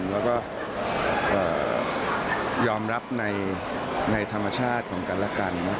แล้วก็ยอมรับในธรรมชาติของกันและกัน